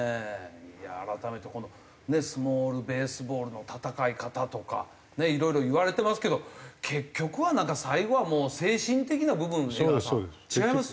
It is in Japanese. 改めてスモールベースボールの戦い方とかいろいろ言われてますけど結局はなんか最後はもう精神的な部分江川さん違います？